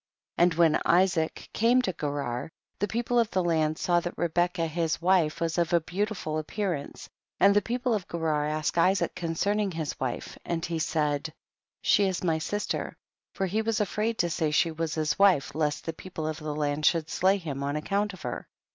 4. And when Isaac came to Gerar, the people of the land saw that Re becca his wife was of a beautiful ap pearance, and the people of Gerar asked Isaac concerning his wife, and he said, she is my sister, for he was afraid to say she loos his wife lest the people of the land should slay him on account of her.